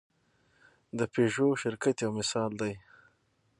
د پيژو شرکت یو مثال دی.